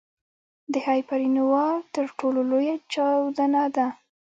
د هایپرنووا تر ټولو لویه چاودنه ده.